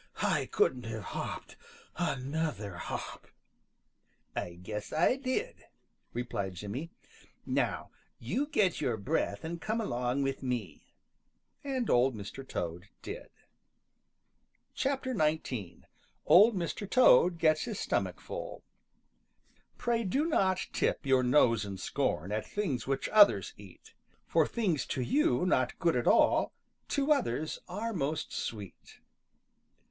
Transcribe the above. I couldn't have hopped another hop." "I guess I did," replied Jimmy. "Now you get your breath and come along with me." And Old Mr. Toad did. XIX OLD MR. TOAD GETS HIS STOMACH FULL Pray do not tip your nose in scorn At things which others eat, For things to you not good at all To others are most sweet.